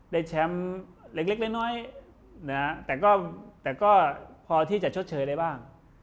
ได้แชมป์เล็กน้อยนะฮะแต่ก็พอที่จะชดเชยได้บ้าง